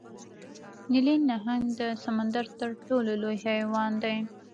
نیلي نهنګ د سمندر تر ټولو لوی حیوان دی